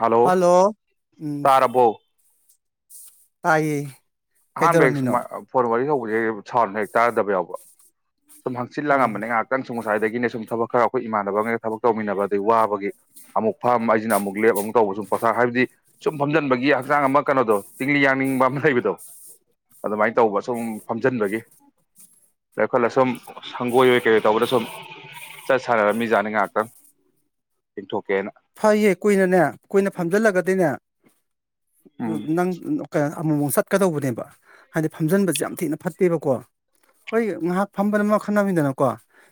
Hello hello ꯎꯝ ꯇꯥꯔꯔꯕꯣ ꯇꯥꯏꯌꯦ ꯑꯍꯥꯟꯕ ꯀꯩꯗꯧꯔꯝꯃꯤꯅꯣ ꯐꯦꯣꯔꯋꯥꯔꯤ ꯍ ꯍꯧꯖꯤꯛ ꯁꯅ ꯍꯦꯛ ꯇꯥꯔꯗꯕ ꯌꯥꯎꯕ꯭ꯔ ꯁꯨꯝ ꯑꯣ ꯍꯪꯆꯤꯜꯥꯡꯂꯝꯝꯕꯅꯦ ꯉꯥꯏꯍꯥꯛꯇꯪ ꯁ ꯉꯥꯏꯗꯒꯤ ꯁꯨꯝ ꯊꯕꯛ ꯈꯔ ꯑꯩꯈꯣꯏ ꯏꯃꯥꯟꯅꯕ ꯑꯃꯒ ꯊꯕꯛ ꯇꯧꯃꯤꯟꯅꯕ ꯑꯗꯩ ꯋꯥꯕꯒꯤ ꯑꯃꯨꯛ ꯐꯝ ꯑꯩ ꯁꯤꯅ ꯑꯃꯨꯛ ꯂꯦꯞ ꯑꯃꯨꯛ ꯇꯧꯕ ꯁꯨꯝ ꯄꯣꯠꯊꯥ ꯍꯥꯏꯕꯗꯤ ꯁꯨꯝ ꯐꯝꯖꯟꯕꯒꯤ ꯍꯛꯆꯥꯡ ꯑꯃ ꯀꯩꯅꯣꯗꯣ ꯇꯤꯡꯂꯤ ꯌꯥꯡꯅꯤꯡꯕ ꯑꯃ ꯂꯩꯕꯗꯣ ꯑꯗꯨꯃꯥꯏꯅ ꯇꯧꯕ ꯁꯨꯝ ꯐꯝꯖꯤꯟꯕꯒꯤ ꯑꯗꯩ ꯑꯩꯈꯣꯏꯂ ꯁꯨꯝ ꯁꯪꯒꯣꯏꯔꯣꯏ ꯀꯩꯔꯣ ꯇꯧꯕꯗ ꯁꯨꯝ ꯆꯠ ꯁꯥꯟꯅꯔꯕꯃꯤ ꯖꯥꯅꯤ ꯉꯥꯏꯍꯥꯛꯇꯪ ꯌꯦꯡꯊꯣꯛ ꯐꯩꯌꯦꯦ ꯀꯨꯏꯅꯅꯦ ꯀꯨꯏꯅ ꯐꯝꯖꯤꯜꯂꯒꯗꯤꯣꯏꯅꯦ ꯎꯝ ꯅꯪ ꯑꯣ ꯑꯃꯃꯥꯎ ꯆꯠꯀꯗꯧꯕꯅꯦꯕ ꯍꯥꯏꯗꯤ ꯐꯝꯖꯤꯟꯕꯁꯦ ꯌꯥꯝ ꯊꯤꯅ ꯐꯠꯇꯦꯕꯀꯣ ꯍꯣꯏ ꯉꯥꯏꯍꯥꯛ ꯐꯝꯕꯅ ꯃꯈ ꯈꯟꯅꯃꯤꯗꯅꯀꯣ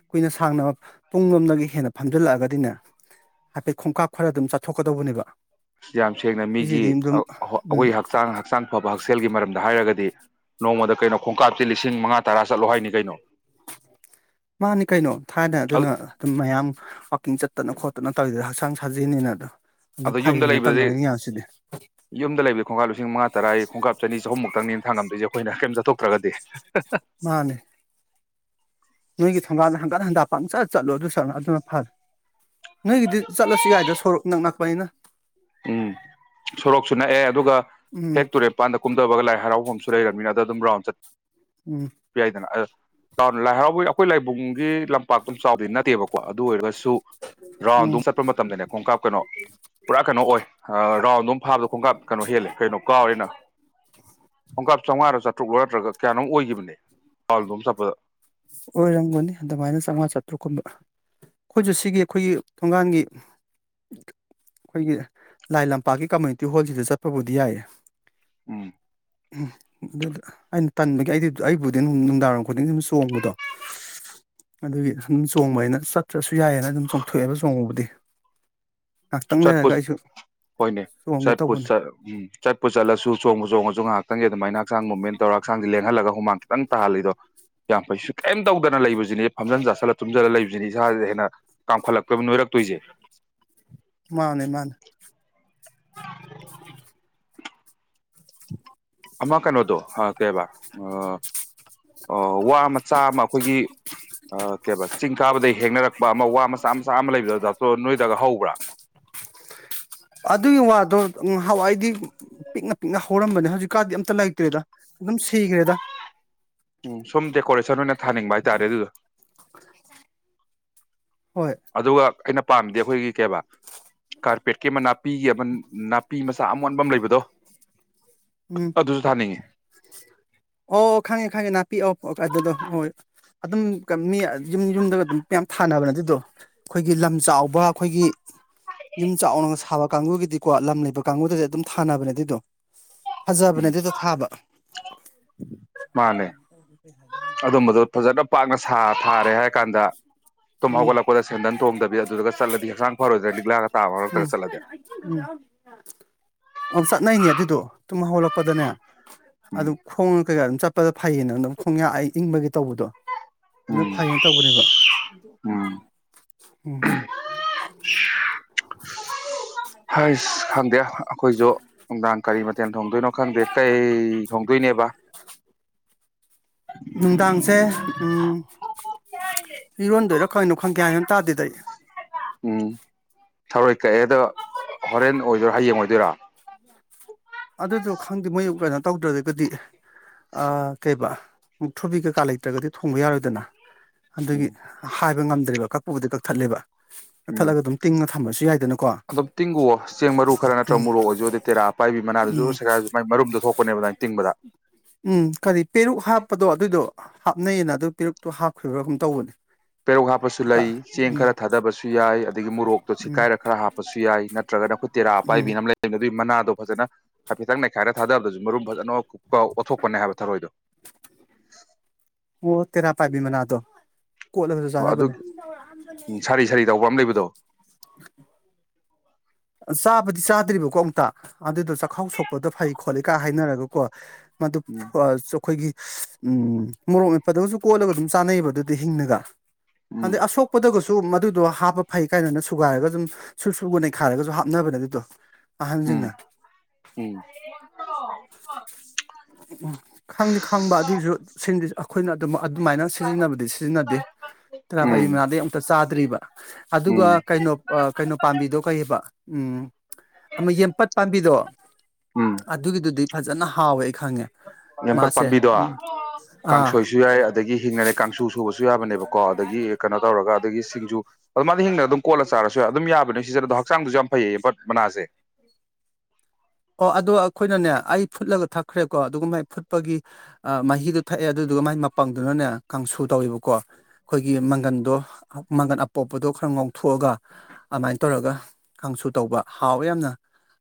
ꯀꯨꯏꯅ ꯁꯥꯡꯅ ꯄꯨꯡꯂꯣꯝꯗꯒꯤ ꯍꯦꯟꯅ ꯐꯝꯖꯜꯂꯛꯑꯒꯗꯤꯅꯦ ꯍꯥꯏꯐꯦꯠ ꯈꯣꯡꯀꯥꯞ ꯈꯔ ꯑꯗꯨꯝ ꯆꯥꯊꯣꯛꯀꯗꯧꯕꯅꯦꯕ ꯌꯥꯝ ꯁꯦꯡꯅ ꯃꯤꯒꯤ ꯎꯝ ꯑꯩꯈꯣꯏ ꯍꯛꯆꯥꯡ ꯍꯛꯆꯥꯡ ꯐꯕ ꯍꯛꯁꯦꯜꯒꯤ ꯃꯔꯝꯗ ꯍꯥꯏꯔꯒꯗꯤ ꯅꯣꯡꯃꯗ ꯀꯩꯅꯣ ꯈꯣꯡꯀꯥꯞꯇꯦ ꯂꯤꯁꯤꯡ ꯃꯉꯥ ꯇꯔꯥ ꯆꯠꯂꯣ ꯍꯥꯏꯅꯤ ꯀꯩꯅꯣ ꯃꯥꯅꯤ ꯀꯩꯅꯣ ꯊꯥꯏꯅ ꯑꯗꯨꯅ ꯑꯗꯨꯝ ꯃꯌꯥꯝ ꯋꯥꯋꯥꯛꯀꯤꯡ ꯆꯠꯇꯅ ꯈꯣꯠꯇꯅ ꯇꯧꯔꯤꯗꯅ ꯍꯛꯆꯥꯡ ꯁꯥꯖꯅꯤꯅ ꯑꯗꯨꯣ ꯑꯗꯣ ꯌꯨꯝꯗ ꯂꯩꯕꯗꯤ ꯌꯨꯝꯗ ꯂꯩꯕꯗꯤ ꯈꯣꯡꯀꯥꯞ ꯂꯤꯁꯤꯡ ꯃꯉꯥ ꯇꯔꯥ ꯈꯣꯡꯀꯥꯞ ꯆꯅꯤ ꯆꯍꯨꯝꯃꯨꯛꯇꯪꯅꯤ ꯊꯥꯡꯉꯝꯗꯁꯦ ꯑꯩꯈꯣꯏꯅ ꯀꯔꯤꯝ ꯆꯠꯊꯣꯛꯇ꯭ꯔꯒꯗꯤ ꯃꯥꯅꯦ ꯅꯣꯏꯒꯤ ꯊꯣꯡꯒꯜꯗ ꯍꯪꯀꯠ ꯍꯟꯗ ꯄꯪꯆꯠ ꯆꯠꯂꯣ ꯑꯗꯨ ꯆꯠ ꯑꯗꯨꯅ ꯐꯔ ꯅꯣꯏꯒꯤꯗꯤ ꯆꯠꯂꯁꯨ ꯌꯥꯏꯗ ꯁꯣꯔꯣꯛ ꯅꯛꯅꯛꯄꯅꯤꯅ ꯎꯝ ꯁꯣꯔꯣꯛꯁꯨ ꯅꯛꯑꯦ ꯑꯗꯨꯒ ꯎꯝ ꯍꯦꯛ ꯇꯨꯔꯦꯟꯄꯥꯟꯗ ꯀꯨꯝꯊꯕꯒ ꯂꯥꯏ ꯍꯔꯥꯎꯍꯣꯡꯗ ꯨ ꯂꯩꯔꯕꯅꯤꯅ ꯑꯗꯨꯝ ꯔꯥꯎꯟ ꯆꯠ ꯎꯝ ꯄꯤꯏꯗꯅ ꯑ ꯂꯥꯏ ꯍꯔꯥꯎꯕꯒꯤ ꯑꯩꯈꯣꯏ ꯂꯥꯏꯕꯨꯡꯒꯤ ꯂꯝ ꯄꯥꯛꯇꯝ ꯆꯥꯎꯕꯗꯤ ꯅꯠꯇꯦꯕꯀꯣ ꯑꯗꯨ ꯑꯣꯏꯔꯒꯁꯨ ꯎꯝ ꯔꯥꯎꯟꯗꯝ ꯆꯠꯄ ꯃꯇꯝꯗꯅꯦ ꯈꯣꯡꯀꯥꯞ ꯀꯩꯅꯣ ꯄꯨꯔꯥ ꯀꯩꯅꯣ ꯑꯣꯏ ꯔꯥꯎꯟ ꯑꯗꯨꯝ ꯐꯥꯕꯗ ꯈꯣꯡꯀꯥꯞ ꯀꯩꯅꯣ ꯍꯦꯜꯂꯦ ꯀꯩꯅꯣ ꯀꯥꯎꯔꯤꯦꯅ ꯄꯣꯡꯀꯥꯞ ꯆꯥꯝꯃꯉꯥꯗꯣ ꯆꯥꯇ꯭ꯔꯨꯛꯂ ꯅꯠꯇ꯭ꯔꯒ ꯀꯌꯥꯅꯣꯨꯛ ꯑꯣꯏꯈꯤꯕꯅꯦ ꯄꯥꯎꯜꯗꯣ ꯑꯃ ꯆꯠꯄꯗ ꯑꯣꯏꯔꯝꯒꯅꯤ ꯑꯗꯨꯃꯥꯏꯅ ꯆꯥꯝꯃꯉꯥ ꯆꯥꯇ꯭ꯔꯨꯛꯀꯨꯝꯕ ꯑꯩꯈꯣꯏꯁꯨ ꯁꯤꯒꯤ ꯑꯩꯈꯣꯏꯒꯤ ꯊꯣꯡꯒꯜꯒꯤ ꯑꯩꯈꯣꯏꯒꯤ ꯂꯥꯏ ꯂꯝꯄꯥꯛꯀꯤ ꯀꯝꯃꯨꯅꯤꯇꯤ ꯍꯣꯜꯁꯤꯗ ꯆꯠꯄꯕꯨꯗꯤ ꯌꯥꯏꯌꯦ ꯎꯝ ꯎꯝ ꯑꯗꯨꯗ ꯑꯩꯅ ꯇꯟꯕꯒꯤ ꯑꯩꯗꯤ ꯑꯩꯕꯨꯗꯤ ꯅꯨꯡꯗꯥꯡꯔꯏꯝ ꯈꯨꯗꯤꯡ ꯑꯗꯨꯝ ꯆꯣꯡꯕꯗꯣ ꯑꯗꯨꯒꯤ ꯑꯗꯨꯝ ꯆꯣꯡꯕ ꯍꯥꯏꯅ ꯆꯠꯇ꯭ꯔꯁꯨ ꯌꯥꯏꯑꯅ ꯑꯗꯨꯝ ꯆꯣꯡꯊꯣꯛꯑꯦꯕ ꯆꯣꯡꯉꯕꯨꯗꯤ ꯆꯠꯄꯨ ꯍꯣꯏꯅꯦ ꯆꯣꯡꯒꯦ ꯆꯠꯄꯨ ꯇꯧꯕꯅꯦ ꯎꯝ ꯆꯠꯄꯨ ꯆꯠꯂꯁꯨ ꯆꯣꯡꯕ ꯆꯣꯡꯉꯁꯨ ꯉꯥꯏꯍꯥꯛ ꯈꯤꯇꯪꯒꯤ ꯑꯗꯨꯃꯥꯏꯅ ꯍꯛꯆꯥꯡ ꯃꯨꯚꯃꯦꯟ ꯇꯧꯔꯒ ꯍꯛꯆꯥꯡꯦ ꯂꯦꯡꯍꯜꯂꯒ ꯍꯨꯃ ꯈꯤꯇ ꯇꯥꯍꯜꯂꯤꯗꯣ ꯌꯥꯝ ꯀꯩꯁꯨ ꯀꯩꯝ ꯇꯧꯗꯅ ꯂꯩꯕꯁꯤꯅꯦ ꯐꯝꯖꯟ ꯆꯥꯁꯤꯜꯂ ꯊꯨꯝꯖꯤꯜꯂ ꯂꯩꯕꯁꯤꯅꯦ ꯏꯁꯥꯁꯤꯗ ꯍꯦꯟꯅ ꯀꯥꯝꯈꯠꯂꯛꯇꯣꯏꯕ ꯅꯣꯏꯔꯛꯇꯣꯏꯁꯦ ꯃꯥꯅꯦ ꯃꯥꯅꯦ ꯑꯃ ꯀꯩꯅꯣꯗꯣ ꯀꯩꯕ ꯋꯥ ꯃꯆꯥ ꯑꯃ ꯑꯩꯈꯣꯏꯒꯤ ꯀꯩꯕ ꯆꯤꯡ ꯀꯥꯕꯗꯒꯤ ꯍꯦꯡꯅꯔꯛꯄ ꯑꯃ ꯋꯥ ꯃꯆꯥ ꯃꯆꯥ ꯑꯃ ꯂꯩꯕꯗ ꯗꯥꯛꯇ꯭ꯔꯣ ꯅꯣꯏꯗꯒ ꯍꯧꯕ꯭ꯔꯥ ꯑꯗꯨꯒꯤ ꯋꯥꯗꯣꯍꯋꯥꯏꯗꯤ ꯄꯤꯛꯅ ꯄꯤꯛꯅ ꯍꯧꯔꯝꯕꯅꯦ ꯍꯧꯖꯤꯛꯀꯥꯟꯗꯤ ꯑꯝꯇ ꯂꯩꯇ꯭ꯔꯦꯗ ꯑꯗꯨꯝ ꯁꯤꯈ꯭ꯔꯦꯗ ꯎꯝ ꯁꯨꯝ ꯗꯦꯀꯣꯔꯦꯁꯟ ꯑꯣꯏꯅ ꯊꯥꯅꯤꯡꯕ ꯍꯥꯏꯇꯥꯔꯦ ꯑꯗꯨꯗ ꯍꯣꯏ ꯑꯗꯨꯒ ꯑꯩꯅ ꯄꯥꯝꯗꯦ ꯑꯩꯈꯣꯏꯒꯤ ꯀꯩꯕ ꯀꯥꯔꯄꯦꯠꯀꯤ ꯃꯅꯥ ꯄꯤꯒꯕꯞ ꯄꯤ ꯃꯆꯥ ꯑꯃꯣꯟꯕ ꯑꯃ ꯂꯩꯕꯗꯣ ꯎꯝ ꯑꯗꯨꯁꯨ ꯊꯥꯅꯤꯡꯉꯤ ꯑꯣ ꯈꯪꯉꯦ ꯈꯪꯉꯦ ꯅꯅꯥꯄꯤ ꯑꯣ ꯑꯣ ꯀꯥꯏꯗꯗꯣ ꯍꯣꯏ ꯑꯗꯨꯝ ꯃꯤ ꯌꯨꯝ ꯌꯨꯝꯗꯒ ꯑꯗꯨꯝ ꯃꯌꯥꯝ ꯊꯥꯅꯕꯅ ꯑꯗꯨꯗꯣ ꯑꯩꯈꯣꯏꯒꯤ ꯂꯝ ꯆꯥꯎꯕ ꯑꯩꯈꯣꯏꯒꯤ ꯌꯨꯝ ꯆꯥꯎꯅꯒ ꯁꯥꯕ ꯀꯥꯡꯕꯨꯒꯤꯗꯤꯀꯣ ꯂꯝ ꯂꯩꯕ ꯀꯥꯡꯕꯨꯨꯗꯗꯤ ꯑꯗꯨꯝ ꯊꯥꯅꯕꯅꯦ ꯑꯗꯨꯗꯣ ꯐꯖꯕꯅꯦ ꯎꯝ ꯊꯥꯕ ꯃꯥꯅꯦ ꯑꯗꯝꯕꯗ ꯐꯖꯗꯣ ꯄꯥꯛꯅ ꯁꯥ ꯊꯥꯔꯦ ꯍꯥꯏꯔ ꯀꯥꯟꯗ ꯇꯨꯝ ꯎꯝ ꯍꯧꯒꯠꯂꯛꯄꯗ ꯁꯦꯟꯗꯟ ꯊꯣꯡꯗꯕꯤ ꯑꯗꯨꯗꯨꯒ ꯆꯠꯂꯗꯤ ꯍꯛꯆꯥꯡ ꯐꯔꯣꯏꯗ꯭ꯔ ꯂꯤꯛꯂꯥꯒ ꯇꯥꯕ ꯎ ꯃꯔꯛꯇꯒ ꯆꯠꯂꯗꯤ ꯎ ꯑꯣ ꯆꯠꯅꯩꯅꯦ ꯑꯗꯨꯗꯣ ꯇꯨꯝ ꯍꯧꯂꯛꯄ ꯎꯄꯗꯅ ꯎꯝ ꯑꯗꯨꯝ ꯈꯣꯡꯉ ꯀꯩꯀꯥ ꯑꯗꯨꯝ ꯆꯠ ꯆꯠꯄꯗ ꯐꯩꯌꯦꯅꯪ ꯑꯗꯨ ꯈꯣꯡꯌꯥ ꯑꯩ ꯏꯪꯕꯒꯤ ꯇꯧꯕꯗꯣ ꯑꯗꯨꯗ ꯎꯝ ꯐꯩꯌꯦꯅ ꯇꯧꯕꯅꯦꯕ ꯎꯝ ꯎꯝ [inaudible] ꯍꯁ ꯈꯪꯗꯦ ꯑꯩꯈꯣꯏꯁꯨ ꯅꯨꯡꯗꯥꯡ ꯀꯔꯤ ꯀꯇꯦꯟ ꯊꯣꯡꯗꯣꯏꯅꯣ ꯈꯪꯗꯦ ꯇꯇꯩ ꯊꯣꯡꯗꯣꯏꯅꯦꯕ ꯅꯨꯡꯗꯥꯡꯁꯦ ꯎ ꯏꯔꯣꯟꯗꯣꯏꯔꯥ ꯀꯪꯩꯅꯣ ꯈꯪ ꯀꯦ ꯍꯥꯏꯅ ꯇꯥꯗꯦꯗꯗꯤ ꯎꯝ ꯊꯔꯣꯏ ꯀꯛꯑꯦꯗ ꯍꯣꯔꯦꯟ ꯑꯣꯏꯗꯣꯏꯔꯥ ꯍꯌꯦꯡ ꯑꯣꯏꯗꯣꯏꯔꯥ ꯑꯗꯨꯗꯣ ꯈꯪꯗꯦ ꯃꯣꯏ ꯀꯩꯅꯣ ꯇꯧꯗ꯭ꯔꯒꯗꯤ ꯀꯩꯕ ꯃꯨꯛ ꯊꯨꯕꯤ ꯀꯩꯀꯥ ꯂꯩꯇ꯭ꯔꯒꯗꯤ ꯊꯣꯡꯕ ꯌꯥꯔꯣꯏꯗꯅ ꯑꯗꯨꯒꯤ ꯎꯝ ꯍꯥꯏ ꯄꯕ ꯉꯝꯗ꯭ꯔꯕ ꯀꯛꯄꯕꯨꯗꯤ ꯀꯛꯊꯠꯂꯦꯕ ꯎꯝ ꯊꯂꯒ ꯑꯗꯨꯝ ꯇꯤꯡꯅ ꯊꯝꯃꯁꯨ ꯌꯥꯏꯗꯅ ꯑꯗꯨꯝ ꯇꯤꯡꯒꯨꯑꯣ ꯆꯦꯡ ꯃꯔꯨ ꯈꯔ ꯅꯠꯇ꯭ꯔꯒ ꯎꯝ ꯃꯣꯔꯣꯛ ꯑꯣꯏꯖꯗꯤ ꯇꯦꯔꯥ ꯄꯥꯏꯕꯤ ꯃꯅꯥꯗꯨꯁꯨ ꯎꯝ ꯁꯦꯒꯥꯏꯔꯁꯨ ꯃꯥꯏ ꯃꯔꯨꯝꯗꯣ ꯊꯣꯛꯄꯅꯦꯕ ꯑꯗꯨꯃꯥꯏꯅ ꯇꯤꯡꯕꯗ ꯎꯝ ꯀꯔꯤ ꯄꯦꯔꯨꯛ ꯍꯥꯞꯄꯗꯣ ꯑꯗꯨꯏꯗꯣ ꯍꯥꯞꯅꯩꯌꯦꯅ ꯑꯗꯨ ꯄꯦꯔꯛꯇꯣ ꯍꯥꯞꯈꯤꯕ꯭ꯔꯥꯒꯨꯝ ꯇꯧꯕꯅꯦ ꯄꯦꯔꯣꯛ ꯍꯥꯞꯄꯁꯨ ꯀꯀꯥ ꯂꯩ ꯆꯦꯡ ꯎꯝ ꯈꯔ ꯊꯥꯗꯕꯁꯨ ꯌꯥꯏ ꯑꯗꯒꯤ ꯃꯣꯔꯣꯛꯇꯣ ꯎꯝ ꯁꯤꯀꯥꯏꯔ ꯈꯔ ꯍꯥꯞꯄꯁꯨ ꯌꯥꯏ ꯅꯠꯇ꯭ꯔꯒ ꯑꯩꯈꯣꯏ ꯇꯦꯔꯥ ꯎꯝ ꯑꯥꯏꯕꯤ ꯑꯃ ꯂꯩ ꯑꯗꯨꯏ ꯃꯅꯥꯗꯣ ꯐꯖꯅ ꯍꯥꯏꯐꯦꯠꯇꯪ ꯅꯩꯈꯥꯏꯔ ꯊꯥꯗꯕꯗꯁꯨ ꯃꯔꯨꯝ ꯐꯖꯅ ꯀꯑꯣꯠꯊꯣꯛꯄꯅꯦ ꯍꯥꯏꯕ ꯊꯔꯣꯏꯗꯣ [inaudible] ꯑꯣ ꯇꯦꯔꯥ ꯄꯥꯏꯕꯤ ꯃꯅꯥꯗꯣ ꯀꯣꯠꯂꯒꯁꯨ ꯍꯣ ꯑꯗꯨ ꯆꯥꯅꯕꯅꯦ ꯎ ꯁꯥꯔꯤ ꯁꯥꯔꯤ ꯇꯧꯕ ꯑꯃ ꯂꯩꯕꯗ ꯗꯣ [inaudible] ꯆꯥꯕꯗꯤ ꯆꯥꯗ꯭ꯔꯤꯕꯀꯣ ꯑꯃꯨꯛꯇ ꯑꯗꯨꯗꯣ ꯆꯥꯛꯈꯥꯎ ꯁꯣꯛꯄꯗ ꯐꯩ ꯈꯣꯠꯂꯤ ꯀꯥꯏ ꯍꯥꯏꯅꯔꯒꯀꯣ ꯃꯗꯨ ꯎꯝ ꯆꯣꯛꯈꯣꯏꯒꯤ ꯎꯝ ꯃꯣꯔꯣꯛ ꯃꯠꯄꯗꯒꯁꯨ ꯀꯣꯜꯂꯒ ꯑꯗꯨꯝ ꯆꯥꯅꯩꯌꯦꯕ ꯑꯗꯨꯗꯤ ꯍꯤꯡꯅꯒ ꯎꯝ ꯑꯗ ꯑꯁꯣꯛꯄꯗꯒꯁꯨ ꯁꯨ ꯃꯗꯨꯗꯣ ꯍꯥꯞꯄ ꯐꯩ ꯀꯥꯏꯅꯅ ꯁꯨꯒꯥꯏꯔꯒ ꯁꯨꯝ ꯁꯨꯔ ꯁꯨꯔꯒꯥ ꯅꯩ ꯈꯥꯏꯔꯒꯁꯨ ꯍꯥꯞꯅꯕꯅꯦ ꯑꯗꯨꯗꯣ ꯑꯍꯟ ꯖꯤꯡꯅ ꯎꯝ ꯎꯝ ꯈꯪꯗꯤ ꯈꯪꯕ ꯑꯗꯨꯏꯁꯨ ꯁꯤꯡꯁꯤꯁꯨ ꯈꯣꯏꯅꯠ ꯑꯗꯨꯃꯥꯏꯅ ꯁꯤꯖꯤꯟꯅꯕꯗꯤ ꯁꯤꯖꯤꯟꯅꯗꯦ ꯇꯔꯥ ꯎꯝ ꯄꯥꯏꯕꯤ ꯎꯝ ꯃꯅꯥꯗꯤ ꯑꯨꯛꯇ ꯆꯥꯗ꯭ꯔꯤꯕ ꯑꯗꯨꯒ ꯎꯝ ꯀꯩꯅꯣ ꯀꯩꯅꯣ ꯄꯥꯝꯕꯤꯗꯣ ꯀꯩꯑꯦꯕ ꯎꯝ ꯑꯃ ꯌꯦꯟꯄꯠ ꯄꯥꯝꯕꯤꯗꯣ ꯑꯗꯨꯒꯤꯗꯨꯗꯤ ꯐꯖꯅ ꯍꯥꯎꯋꯦ ꯈꯪꯉꯦ ꯅꯦꯝꯄꯠ ꯃꯥꯁꯦ ꯄꯥꯝꯕꯤꯗꯣ ꯎꯝ ꯑꯥ ꯀꯥꯡꯁꯣꯏꯁꯨ ꯌꯥꯏ ꯑꯗꯒꯤ ꯍꯤꯡꯅꯒꯥ ꯀꯥꯡꯁꯨ ꯁꯨꯕꯁꯨ ꯌꯥꯕꯅꯦꯕ ꯀꯣ ꯑꯗꯒꯤ ꯀꯩꯅꯣ ꯇꯧꯔꯒ ꯑꯗꯒꯤ ꯁꯤꯡꯖꯨ ꯑꯗꯨ ꯃꯥꯗꯤ ꯍꯤꯡꯅ ꯑꯗꯨꯝ ꯀꯣꯠꯂ ꯆꯥꯔꯁꯨ ꯑꯗꯨꯝ ꯌꯥꯕꯅꯦ ꯁꯤꯖꯟꯅꯗꯣ ꯍꯛꯆꯥꯡꯗꯁꯨ ꯌꯥꯝ ꯐꯩꯌꯦꯌꯦ ꯌꯦꯝꯄꯠ ꯃꯅꯥꯁꯦ ꯑꯣ ꯑꯗꯣ ꯑꯩꯈꯣꯏꯅꯅꯦ ꯑꯩ ꯐꯨꯠꯂꯒ ꯊꯛꯈ꯭ꯔꯦꯀꯣ ꯑꯗꯨꯒꯨ ꯃꯥꯏ ꯐꯨꯠꯄꯒꯤ ꯃꯍꯤꯗꯣ ꯊꯛꯑꯦ ꯑꯗꯨꯗꯨꯒ ꯃꯥꯏ ꯃꯄꯪꯗꯨꯅꯅꯦ ꯀꯥꯡꯁꯨ ꯇꯧꯋꯦꯕꯀꯣ ꯑꯩꯈꯣꯏꯒꯤ ꯃꯪꯒꯟꯗꯣ ꯃꯪꯒꯟ ꯑꯄꯣꯞꯄꯗꯣ ꯈꯔ ꯉꯧꯊꯣꯛꯑꯒ ꯑꯃꯥꯏꯅ ꯇꯧꯔꯒ ꯀꯥꯡꯁꯨ ꯇꯧꯕ ꯍꯥꯎꯋꯦ ꯌꯥꯝꯅ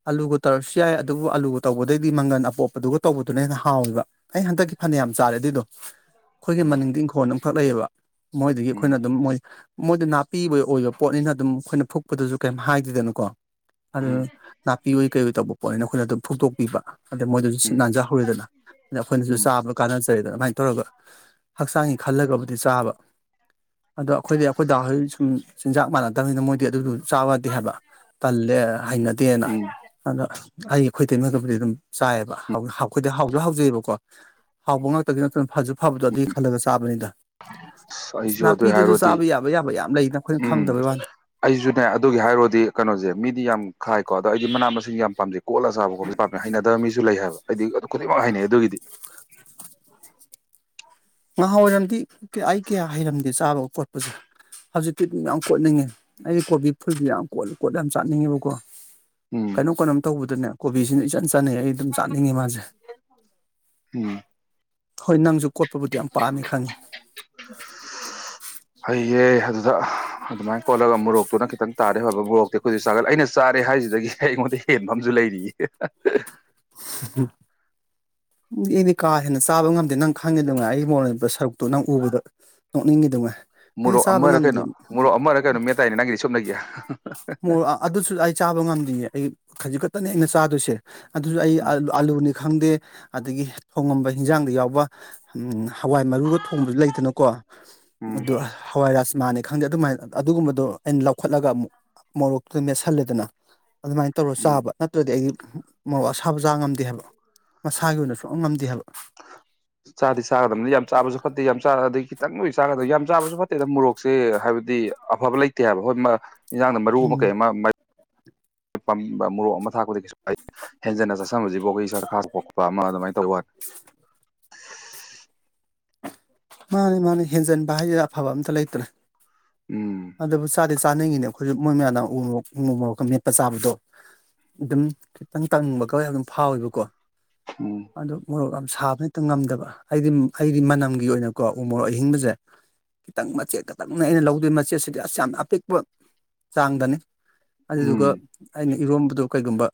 ꯑꯂꯨꯒ ꯇꯧꯔ ꯁꯨ ꯌꯥꯏ ꯑꯗꯨꯕꯨ ꯑꯂꯨꯒ ꯇꯧꯕꯗꯩꯗꯤ ꯃꯪꯒꯟ ꯑꯄꯣꯞꯄꯗꯨꯒ ꯇꯧꯕꯗꯨꯅ ꯍꯦꯟꯅ ꯍꯥꯎꯋꯕ ꯑꯩ ꯍꯟꯗꯛꯀꯤ ꯐꯅꯌꯥꯝ ꯆꯥꯔꯦ ꯑꯗꯨꯏꯗꯣ ꯑꯩꯈꯣꯏꯒꯤ ꯎꯝ ꯃꯅꯤꯡꯗꯤ ꯏꯪꯈꯣꯜ ꯑꯃꯈꯛ ꯂꯩꯌꯦꯕ ꯃꯣꯏꯗꯒꯤ ꯑꯩꯈꯣꯏꯅ ꯎꯝ ꯑꯗꯨꯝ ꯃꯣꯏ ꯃꯣꯏꯗ ꯅꯥ ꯄꯤꯕꯣꯏ ꯑꯣꯏꯕ ꯄꯣꯠꯅꯤꯅ ꯑꯗꯨꯝ ꯑꯩꯈꯣꯏꯅ ꯐꯨꯛꯄꯗꯁꯨ ꯀꯩꯝ ꯍꯥꯏꯗ꯭ꯔꯤꯗꯅꯀꯣ ꯑꯗꯨꯗꯥ ꯅꯥꯄꯤ ꯑꯣꯏ ꯀꯩꯑꯣꯏ ꯇꯧꯕꯨꯛ ꯄꯣꯠꯅꯤꯅ ꯑꯩꯈꯣꯏꯅ ꯑꯗꯨꯝ ꯐꯨꯛꯇꯣꯛꯄꯤꯕ ꯑꯗꯩ ꯃꯣꯏꯗꯁꯨ ꯁꯤꯠ ꯎꯝ ꯅꯥꯟꯖꯍꯧꯔꯦꯗꯅ ꯑꯗ ꯑꯩꯈꯣꯏꯅꯁꯨ ꯎꯝ ꯆꯥꯕ ꯀꯥꯟꯅꯖꯔꯦꯗꯅ ꯑꯗꯨꯃꯥꯏꯅ ꯇꯧꯔꯒ ꯍꯛꯆꯥꯡꯒꯤ ꯈꯜꯂꯒꯕꯨꯗꯤ ꯆꯥꯕ ꯑꯗꯣ ꯑꯩꯈꯣꯏꯗꯤ ꯑꯩꯈꯣꯏꯗꯗꯥꯍꯣꯏ ꯁꯨꯝ ꯆꯤꯟꯖꯥꯛ ꯃꯥꯟꯅꯛꯇꯕꯅꯤꯅ ꯃꯣꯏꯗꯤ ꯑꯗꯨꯗꯨ ꯆꯥꯕꯗꯦ ꯍꯥꯏꯕ ꯇꯟ ꯍꯩꯅꯗꯦꯅ ꯎꯝ ꯑꯗꯣ ꯑꯩꯒꯤ ꯑꯩꯈꯣꯏ ꯇꯩꯝꯅꯕꯨꯗꯤ ꯑꯗꯨꯝ ꯆꯥꯏꯑꯕ ꯑꯩꯈꯣꯏꯗꯤ ꯍꯥꯎꯁꯨ ꯍꯥꯎꯖꯩꯑꯕꯀꯣ [inaudible] ꯍꯥꯎꯕ ꯉꯥꯛꯇꯒꯤ ꯅꯠꯇꯅ ꯐꯁꯨ ꯐꯕꯗꯣ ꯑꯗꯨꯒꯤ ꯈꯜꯂꯒ ꯆꯥꯕꯅꯤꯗ ꯑꯁ ꯑꯩꯁꯨ ꯑꯗꯨꯏ ꯅꯥꯄꯤꯗꯨꯁꯨ ꯍꯥꯏꯔꯣꯗꯤ ꯆꯥꯕ ꯌꯥꯕ ꯌꯥꯕ ꯌꯥꯝ ꯂꯩꯗ ꯑꯩꯈꯣꯏꯅ ꯎꯝ ꯈꯪꯗꯕꯩ ꯋꯥꯅꯤ ꯑꯩꯁꯨꯅꯦ ꯑꯗꯨꯒꯤ ꯍꯥꯏꯔꯣꯗꯤ ꯀꯩꯅꯣꯁꯦ ꯃꯤꯗꯤ ꯌꯥꯝ ꯈꯥꯏ ꯀꯣ ꯑꯗꯣ ꯑꯩꯗꯤ ꯃꯅꯥ ꯃꯁꯤꯡ ꯌꯥꯝ ꯄꯥꯝꯖꯩ ꯀꯣꯠꯂ ꯆꯥꯕ ꯈꯣꯠꯄꯖꯦ ꯄꯥꯛ ꯍꯩꯅꯗ ꯃꯤꯁꯨ ꯂꯩ ꯍꯥꯏꯕ ꯍꯥꯏꯗꯤ ꯑꯗꯨ ꯈꯨꯗꯤꯡꯃꯛ ꯍꯥꯏꯅꯩ ꯑꯗꯨꯒꯤꯗꯤ ꯉꯥꯍꯥ ꯑꯣꯏꯔꯝꯗꯤ ꯑꯩ ꯀꯌꯥ ꯍꯩꯔꯝꯗꯦ ꯆꯥꯕ ꯈꯣꯠꯄꯁꯦ ꯍꯧꯖꯤꯛꯇꯤ ꯑꯗꯨꯝ ꯌꯥꯝ ꯀꯣꯠꯅꯤꯡꯉꯦ ꯑꯩꯒꯤ ꯀꯣꯕꯤ ꯐꯨꯜꯁꯦ ꯌꯥꯝ ꯀꯣꯠꯂ ꯀꯣꯠꯂ ꯌꯥꯝ ꯆꯥꯅꯤꯡꯉꯦꯕꯀꯣ ꯎꯝ ꯀꯩꯅꯣ ꯀꯩꯅꯣꯝ ꯇꯧꯕꯗꯨꯅꯦ ꯀꯣꯕꯤꯁꯤꯅ ꯏꯆꯟ ꯆꯠꯅꯤ ꯑꯩ ꯑꯗꯨꯝ ꯆꯥꯅꯤꯡꯉꯤ ꯃꯥꯁꯦ꯫ ꯎꯝ ꯍꯣꯏ ꯅꯪꯁꯨ ꯀꯣ꯫ ꯄꯕꯨꯗꯤ ꯌꯥꯝ ꯄꯥꯝꯃꯤ ꯈꯪꯉꯤ꯫ [unintelligible] ꯏꯍꯦ ꯑꯗꯨꯗ ꯑꯗꯨꯃꯥꯏꯅ ꯀꯣꯠꯂꯒ ꯃꯣꯔꯣꯛꯇꯨꯅ ꯈꯤꯇꯪ ꯇꯥꯔꯦ [unintelligible] ꯃꯣꯔꯣꯛꯇꯦꯛꯄꯁꯦ ꯆꯥꯒꯜꯂꯦ ꯑꯩꯅ ꯆꯥꯔꯦ ꯍꯥꯏꯁꯤꯗꯒꯤ ꯑꯩꯉꯣꯟꯗ ꯍꯦꯟꯕ ꯑꯝꯁꯨ ꯂꯩꯔꯤꯌꯦ꯫ ꯑꯩꯗꯤ ꯀꯥ ꯍꯦꯟꯅ ꯆꯥꯕ ꯉꯝꯗꯦ ꯅꯪ ꯈꯪꯉꯤꯗꯨꯉꯥꯏ ꯑꯩꯒꯤ ꯃꯣꯔꯣꯛ ꯃꯦꯠꯄ ꯁꯔꯨꯛꯇꯨ ꯅꯪ ꯎꯕꯗ ꯅꯣꯛꯅꯤꯡꯏꯗꯨꯉꯥꯢ꯫ ꯃꯣꯔꯣꯛ ꯑꯃꯔ ꯀꯩꯅꯣ ꯃꯣꯔꯣꯛ ꯑꯃꯔ ꯀꯩꯅꯣ ꯃꯦꯠꯇꯏꯅꯦ ꯅꯪꯒꯤꯗꯤ ꯁꯨꯞꯅꯒꯤ꯫ ꯑꯗꯨꯁꯨ ꯑꯩ ꯆꯥꯕ ꯉꯝꯗꯤꯌꯦ ꯑꯩ ꯍꯧꯖꯤꯛ ꯈꯛꯇꯅꯤ ꯑꯩꯅ ꯆꯥꯗꯣꯏꯁꯦ꯫ ꯑꯗꯨꯁꯨ ꯑꯩ ꯎꯝ ꯑꯥꯑꯥꯂꯨꯅꯤ ꯈꯪꯗꯦ꯫ ꯑꯗꯒꯤ ꯊꯣꯡꯉꯝꯕ ꯍꯤꯟꯖꯥꯡꯗ ꯌꯥꯎꯕ ꯎꯝ꯫ ꯍꯋꯥꯏ ꯃꯔꯨꯒ ꯊꯣꯡꯕꯁꯨ ꯂꯩꯗꯅꯀꯣ ꯑ ꯎꯝ ꯍꯋꯥꯏꯔꯥꯁ꯫ ꯃꯥꯅꯦ ꯈꯪꯗꯦ ꯑꯗꯨꯃꯥꯏꯅ ꯑꯗꯨꯒꯨꯝꯕꯗꯣ ꯑꯩꯅ ꯂꯧꯈꯠꯂꯒ ꯑꯃꯨꯛ ꯃꯣꯔꯣꯛꯇꯨ ꯃꯦꯠꯁꯜꯂꯦꯗꯅ꯫ ꯑꯗꯨꯃꯥꯏꯅ ꯇꯧꯔ ꯎꯝ ꯆꯥꯕ ꯅꯠꯇ꯭ꯔꯗꯤ ꯑꯩ ꯃꯣꯔꯣꯛ ꯑꯁꯥꯕꯆꯕꯥ ꯉꯝꯗꯦ ꯍꯥꯏꯕ ꯃꯁꯥꯒꯤ ꯑꯣꯏꯅ ꯁꯨꯉꯝꯉꯝꯗꯦ ꯍꯥꯏꯕ꯫ ꯆꯥꯗꯤ ꯆꯥꯒꯗꯕꯅꯤ ꯌꯥꯝ ꯆꯥꯕꯁꯨ ꯐꯠꯇꯦ ꯌꯥꯝ ꯆꯔꯗꯤ꯫ ꯈꯤꯇꯪ ꯕꯨꯗꯤ ꯆꯥꯒꯗꯝꯅꯤ ꯌꯥꯝ ꯆꯥꯕꯁꯨ ꯐꯠꯇꯦꯗ ꯃꯣꯔꯣꯛꯁꯦ ꯍꯥꯏꯕꯗꯤ ꯑꯐꯕ ꯂꯩꯇꯦ ꯍꯥꯏꯕ ꯍꯣꯏꯃ ꯏꯪꯖꯥꯡꯗ ꯃꯔꯨ ꯑꯃ ꯎꯝ ꯀꯩ ꯑꯃ꯫ ꯄꯝꯕ ꯃꯣꯔꯣꯛ ꯑꯃ ꯊꯥꯛꯄꯗꯤ ꯀꯩꯁꯨ ꯀꯥꯏꯗꯦ ꯍꯦꯟꯖꯟꯅ ꯆꯥꯁꯟꯕꯁꯤꯕꯨ ꯑꯩꯈꯣꯏꯗ [unintelligible] ꯄꯣꯛꯄ ꯑꯃ ꯑꯗꯨꯃꯥꯏꯅ ꯇꯧꯕ ꯋꯥꯅꯦ ꯃꯥꯅꯦ ꯃꯥꯅꯦ ꯍꯦꯟꯖꯟꯕ ꯍꯥꯏꯁꯤ ꯑꯐꯕ ꯑꯝꯇ ꯂꯩꯇ꯭ꯔꯦ꯫ ꯎꯝ꯫ ꯑꯩꯗꯤ ꯆꯥꯅꯤꯡꯉꯤꯅꯦ ꯑꯩꯈꯣꯏꯁꯨ ꯃꯣꯏ ꯃꯌꯥꯝꯅ ꯎ ꯃꯣꯔꯣꯛ ꯎ ꯃꯣꯔꯣꯛꯀ ꯃꯦꯠꯄ ꯆꯥꯕꯗꯣ ꯑꯗꯨꯝ ꯈꯤꯇꯪ ꯇꯪꯕꯒ ꯑꯗꯨꯝ ꯐꯥꯎꯋꯦꯕꯀꯣ꯫ ꯎꯝ ꯑꯗꯨ ꯃꯣꯔꯣꯛ ꯁꯥꯕ ꯍꯦꯛꯇ ꯉꯝꯗꯕ ꯑꯩꯗꯤ ꯑꯩꯗꯤ ꯃꯅꯝꯒꯤ ꯑꯣꯏꯅ꯫ ꯀꯣ ꯎꯃꯣꯔꯣꯛ ꯑꯍꯤꯡꯕꯁꯦ ꯈꯤꯇꯪ ꯃꯆꯦꯠ ꯈꯇꯪꯅꯦ ꯑꯩꯅ ꯂꯧꯗꯣꯏ ꯃꯆꯦꯠꯁꯤꯗꯤ ꯑꯁ ꯌꯥꯝꯅ ꯑꯄꯤꯛꯄ ꯆꯥꯡꯗꯅꯤ꯫ ꯎꯝ ꯑꯗꯨꯗꯨꯒ ꯑꯩꯅꯤ꯫ ꯏꯔꯣꯝꯕꯗꯣ ꯀꯩꯒꯨꯝꯕ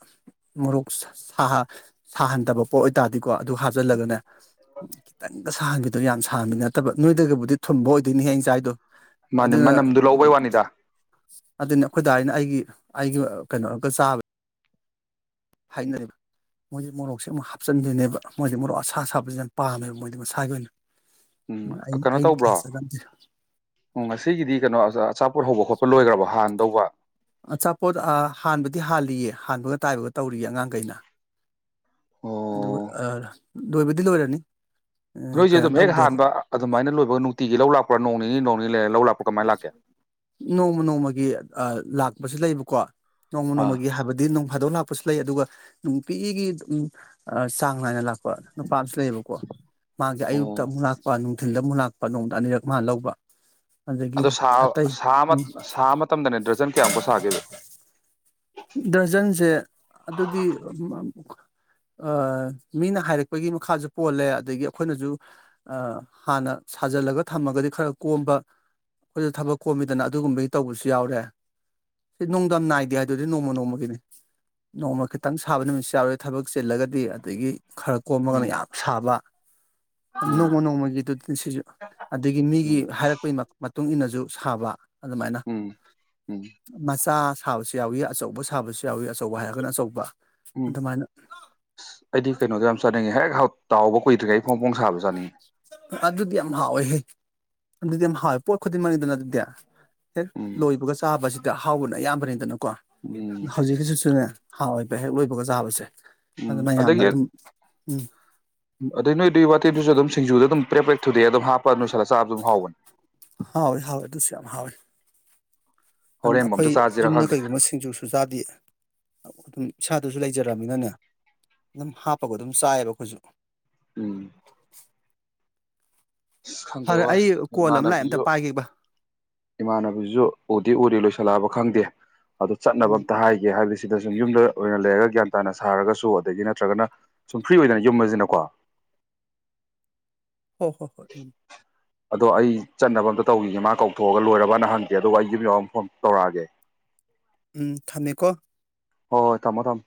ꯃꯣꯔꯣꯛ ꯁꯥꯁꯥꯍꯟꯗꯕ ꯄꯣꯠ ꯑꯣꯏꯇꯥꯔꯗꯤꯀꯣ ꯑꯗꯨ ꯍꯥꯞꯆꯜꯂꯒꯅꯦ꯫ ꯈꯤꯇꯪ꯫ ꯁꯥꯍꯟꯕꯤꯗꯣ ꯌꯥꯝ ꯁꯥꯍꯟꯕꯤ ꯅꯠꯇꯕ ꯅꯣꯏꯗꯒꯕꯨꯗꯤ ꯊꯨꯝꯕ ꯑꯣꯏꯗꯣꯏꯅꯤꯍꯦ ꯑꯩꯏ ꯆꯥꯏꯗꯣ꯫ ꯃꯥꯅꯤ ꯑꯗꯨꯅ ꯃꯅꯝꯗꯨ ꯂꯧꯕꯩ ꯋꯥꯅꯤꯗ ꯑꯗꯨꯅꯤ ꯑꯩꯈꯣꯏꯗꯥꯢ ꯑꯩꯒꯤ ꯑꯩꯒꯤ ꯀꯩꯅꯣ ꯑꯝꯀꯥ ꯆꯥꯕ꯫ ꯍꯥꯏꯅꯩ ꯃꯣꯏꯗꯤ ꯃꯣꯔꯣꯛꯁꯦ ꯑꯃꯨꯛ ꯍꯥꯞꯆꯤꯟꯗꯅꯦꯕ ꯃꯣꯏꯗꯤ ꯃꯣꯔꯣꯛ ꯑꯁꯥ ꯑꯁꯥꯕꯁꯦ ꯌꯥꯝ ꯄꯥꯝꯃꯦꯕ ꯃꯣꯏꯗꯤ ꯃꯁꯥꯒꯤ ꯑꯣꯏꯅ꯫ ꯎꯝ ꯑꯩ ꯀꯩꯅꯣ ꯑꯩ ꯇꯧꯕ꯭ꯔꯣ ꯆꯒꯟꯗꯦ ꯎꯝ ꯉꯁꯤꯒꯤꯗꯤ ꯀꯩꯅꯣ ꯑꯆꯥꯄꯣꯠ ꯍꯧꯕ ꯈꯣꯠꯄ ꯂꯣꯏꯈ꯭ꯔꯕ ꯍꯥꯟꯅꯗꯧꯕ ꯑꯆꯥꯄꯣꯠ ꯍꯥꯟꯕꯗꯤ ꯍꯜꯂꯤꯌꯦ ꯍꯥꯟꯕꯒ ꯇꯥꯏꯕꯒ ꯇꯧꯔꯤꯌꯦ ꯑꯉꯥꯡꯈꯩꯅ ꯑꯗꯨꯒ ꯑꯣ ꯑꯥ ꯂꯣꯏꯕꯗꯤ ꯂꯣꯏꯔꯅꯤ ꯅꯣꯏꯁꯦ ꯀꯩꯅꯣ ꯑꯗꯨꯝ ꯍꯦꯛ ꯇꯧꯗꯦꯕ ꯍꯥꯟꯕ ꯑꯗꯨꯃꯥꯏꯅ ꯂꯣꯏꯕ ꯅꯨꯡꯇꯤꯒꯤ ꯂꯧ ꯂꯥꯛꯄ꯭ꯔꯥ ꯅꯣꯡ ꯅꯤꯅꯤ ꯅꯣꯡ ꯅꯤꯅꯤ ꯂꯩꯔ ꯂꯧ ꯂꯥꯛꯄ꯭ꯔꯥ ꯀꯃꯥꯏꯅ ꯂꯥꯛꯀꯦ ꯅꯣꯡꯃ ꯅꯣꯡꯃꯒꯤ ꯂꯥꯛ ꯃꯁꯤ ꯂꯩꯕꯀꯣ ꯅꯣꯡꯃ ꯑꯥ ꯅꯣꯡꯃꯒꯤ ꯍꯥꯏꯕꯗꯤ ꯅꯨꯡ ꯐꯥꯗꯣꯛ ꯂꯥꯛꯄꯁꯨ ꯂꯩ ꯑꯗꯨꯒ ꯅꯨꯡꯇꯤꯒꯤ ꯎꯝ ꯆꯥ ꯅꯨꯡꯉꯥꯏꯅ ꯂꯥꯛꯄ ꯅꯨꯄꯥ ꯑꯃꯁꯨ ꯂꯩꯌꯦꯕꯀꯣ ꯃꯥꯒꯤ ꯑꯣ ꯑꯌꯨꯛꯇ ꯑꯃꯨꯛ ꯂꯥꯛꯄ ꯅꯨꯡꯊꯤꯜꯗ ꯑꯃꯨꯛ ꯂꯥꯛꯄ ꯅꯣꯡꯗ ꯑꯅꯤꯔꯛ ꯃꯥ ꯂꯧꯕ ꯑꯗꯒꯤ ꯑꯗ ꯑꯇꯩ ꯎꯝ ꯁꯥꯕ ꯃꯇꯝꯗꯅꯦ ꯗ꯭ꯔꯖꯟ ꯀꯌꯥꯃꯨꯛꯀꯛ ꯁꯥꯒꯦꯕ ꯗꯔꯖꯟꯁꯦ ꯑꯗꯨꯗꯤ ꯃꯤꯅ ꯍꯥꯏꯔꯛꯄꯒꯤ ꯃꯈꯥꯁꯨ ꯄꯣꯜꯂꯦ ꯑꯗꯒꯤ ꯑꯩꯈꯣꯏꯅꯁꯨ ꯍꯥꯟꯅ ꯁꯥꯖꯜꯂꯒ ꯊꯝꯃꯒꯗꯤ ꯈꯔ ꯀꯣꯝꯕ ꯑꯩꯈꯣꯏꯁꯨ ꯊꯕꯛ ꯀꯣꯝꯃꯤꯗꯅ ꯑꯗꯨꯒꯨꯝꯕꯒꯤ ꯇꯧꯕꯁꯨ ꯌꯥꯎꯔꯦ ꯁꯤ ꯅꯣꯡꯗꯝ ꯅꯥꯏꯗꯦ ꯍꯥꯏ ꯑꯗꯨꯗꯤ ꯅꯣꯡꯃ ꯅꯣꯡꯃꯒꯤꯅꯤ ꯅꯣꯡꯃ ꯈꯤꯇꯪ ꯁꯥꯕ ꯅꯨꯃꯤꯠꯁꯤ ꯌꯥꯎꯔꯣꯏ ꯊꯕꯛ ꯆꯤꯜꯂꯒꯗꯤ ꯑꯗꯒꯤ ꯈꯔ ꯀꯣꯝꯃꯒꯅ ꯎꯝ ꯌꯥꯝ ꯁꯥꯕ ꯎꯝ ꯅꯣꯡꯃ ꯅꯣꯡꯃꯒꯤꯗꯨ ꯁꯤꯁꯨ ꯑꯗꯒꯤ ꯎꯝ ꯃꯤꯒꯤ ꯍꯥꯏꯔꯛꯄꯒꯤ ꯃꯇꯨꯡ ꯏ ꯃꯇꯨꯡꯏꯟꯅꯁꯨ ꯁꯥꯕ ꯑꯗꯨꯃꯥꯏꯅ ꯎꯝ ꯎꯝ ꯃꯆꯥ ꯍꯥꯎ ꯌꯥꯎꯏ ꯑꯆꯧꯕ ꯁꯥꯕꯁꯨ ꯌꯥꯎꯏ ꯑꯆꯧꯕ ꯍꯥꯏꯔꯒꯅ ꯑꯆꯧꯕ ꯎꯝ ꯑꯗꯨꯃꯥꯏꯅ ꯑ ꯑꯩꯗꯤ ꯀꯩꯅꯣꯗꯣ ꯌꯥꯝ ꯆꯥꯅꯤꯡꯉꯦ ꯍꯦꯛ ꯇꯥꯎꯕ ꯀꯨꯏꯗ꯭ꯔꯤꯉꯩ ꯐꯣꯡ ꯐꯣꯡ ꯁꯥꯕꯗꯣ ꯆꯥꯅꯤꯡ ꯏ ꯑꯗꯨꯗꯤ ꯌꯥꯝ ꯍꯥꯎꯋꯦꯍꯦ ꯑꯗꯨꯗꯤ ꯌꯥꯝ ꯍꯥꯎꯋꯦ ꯄꯣꯠ ꯈꯨꯗꯤꯡꯃꯛꯅꯤꯗꯅ ꯑꯗꯨꯗꯤ ꯍꯦꯛ ꯎꯝ ꯂꯣꯏꯕꯒ ꯆꯥꯕꯁꯤ ꯑꯍꯥꯎꯕꯅ ꯑꯌꯥꯝꯕꯅꯤꯗꯅ ꯀꯣ ꯎꯝ ꯍꯧꯖꯤꯛꯀꯤꯖꯤꯁꯨꯅꯦ ꯍꯥꯎꯏ ꯕꯍꯦꯛꯂꯣꯏꯕꯒ ꯆꯥꯕꯁꯦ ꯎꯝ ꯑꯗꯨꯅ ꯌꯥꯝꯅ ꯑꯗꯒꯤ ꯑꯗꯨꯝ ꯎꯝ ꯑꯗꯩ ꯅꯣꯏ ꯑꯗꯨꯏ ꯋꯥꯇꯩꯗꯨꯁꯨ ꯑꯗꯨꯝ ꯁꯤꯡꯖꯨꯗ ꯑꯗꯨꯝ ꯄ꯭ꯔꯦ ꯄ꯭ꯂꯦꯛ ꯊꯨꯗꯦꯛ ꯑꯗꯨꯝ ꯍꯥꯞꯄ ꯑꯗꯨ ꯅꯣꯏꯁꯠꯂ ꯆꯥꯕ ꯑꯗꯨꯝ ꯍꯧꯕꯅꯤ ꯍꯥꯎꯏ ꯍꯥꯎꯏ ꯑꯗꯨꯁꯨ ꯌꯥꯝ ꯍꯥꯎꯏ ꯍꯣꯔꯦꯟ ꯑꯝꯇ ꯑꯩꯈꯣꯏ ꯆꯥꯁꯤꯔꯥ ꯌꯨꯝꯗ ꯈꯪꯗꯦ ꯀꯩꯒꯨꯝꯕꯁꯤꯡꯁꯨ ꯆꯨꯖꯥꯗꯦ ꯑꯗꯨꯝ ꯏꯁꯥꯗꯨꯁꯨ ꯂꯩꯖꯔꯕꯝꯃꯤꯅꯅꯦ ꯑꯗꯨꯝ ꯍꯥꯞꯄꯒ ꯑꯗꯨꯝ ꯆꯥꯏꯑꯕ ꯑꯩꯈꯣꯏꯁꯨ [inaudible] ꯎꯝ ꯑꯁ ꯈꯪꯗꯦ ꯐꯔꯦ ꯋꯥꯏ ꯑꯩ ꯀꯣꯜ ꯑꯃ ꯂꯥꯛꯑꯦ ꯑꯝꯇ ꯏꯃꯥꯟꯅꯕꯁꯨ ꯄꯥꯏꯒꯦꯕ ꯏꯃꯥꯟꯅꯕꯁꯨ ꯎꯗꯤ ꯎꯔꯤ ꯂꯣꯏꯁꯤꯜꯂꯛꯑꯕ ꯈꯪꯗꯦ ꯑꯗꯨ ꯆꯠꯅꯕ ꯎꯝ ꯑꯝꯇ ꯍꯥꯏꯒꯦ ꯍꯥꯏ ꯁꯤꯗ ꯁꯨꯝ ꯌꯨꯝꯗ ꯑꯣꯏꯅ ꯂꯩꯔꯒ ꯒ꯭ꯌꯥꯟ ꯇꯥꯅ ꯁꯥꯔꯒꯁꯨ ꯑꯗꯒꯤ ꯅꯠꯇ꯭ꯔꯒꯅ ꯁꯨꯝ ꯐ꯭ꯔꯤ ꯑꯣꯏꯗꯅ ꯌꯨꯝꯕꯁꯤꯅꯀꯣ ꯍꯣ ꯍꯣ ꯍꯣꯏ ꯎꯝ ꯑꯗꯣ ꯑꯩ ꯆꯠꯅꯕ ꯑꯝꯇ ꯇꯧꯈꯤꯒꯦ ꯃꯥ ꯀꯧꯊꯣꯛꯑꯒ ꯂꯣꯏꯔꯕꯅ ꯍꯪꯒꯦ ꯑꯗꯨꯒ ꯑꯩ ꯌꯨꯝ ꯌꯧꯔꯒ ꯑꯃꯨꯛ ꯐꯣꯟ ꯇꯧꯔꯛꯑꯒꯦ ꯎꯝ ꯊꯝꯃꯦꯀꯣ ꯍꯣꯏ ꯍꯣꯏ ꯊꯝꯃꯣ ꯊꯝꯃꯣ